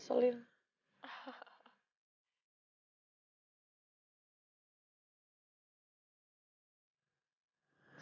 selamat ulang tahun